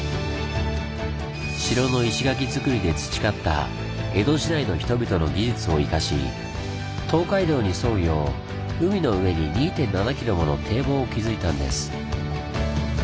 城の石垣造りで培った江戸時代の人々の技術を生かし東海道に沿うよう海の上に２．７ｋｍもの堤防を築いたんです。